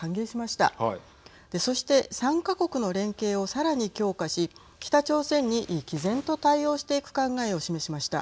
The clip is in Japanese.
そして、３か国の連携をさらに強化し北朝鮮に、きぜんと対応していく考えを示しました。